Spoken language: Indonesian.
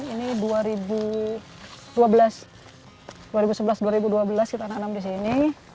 ini dua ribu dua belas dua ribu sebelas dua ribu dua belas kita nanam di sini